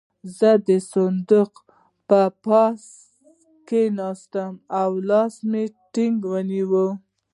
زه د صندوق پر پاسه کېناستم او لاس مې ټينګ ونيو.